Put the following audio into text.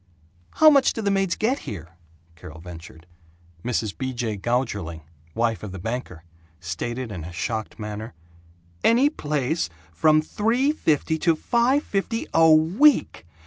"How much do the maids get here?" Carol ventured. Mrs. B. J. Gougerling, wife of the banker, stated in a shocked manner, "Any place from three fifty to five fifty a week!